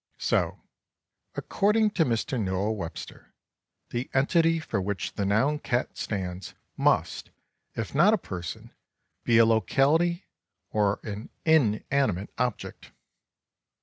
So, according to Mr. Noah Webster, the entity for which the noun cat stands, must, if not a person, be a locality or an inanimate object!